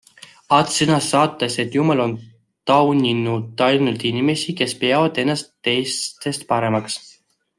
aats sõnas saates, et Jumal on tauninud ainult inimesi, kes peavad ennast teistest paremaks.